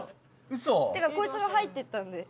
嘘！っていうかこいつが入っていったんで。